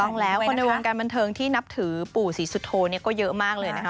ต้องแล้วคนในวงการบันเทิงที่นับถือปู่ศรีสุโธเนี่ยก็เยอะมากเลยนะคะ